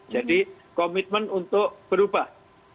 jadi komitmen untuk berubah